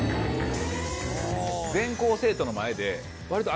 全校生徒の前で、わりと頭